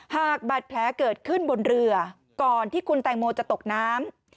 หากบาดแผลเกิดขึ้นบนเรือก่อนที่คุณแตงโมจะตกน้ำ